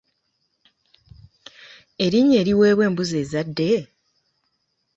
Erinnya eriweebwa embuzi ezadde?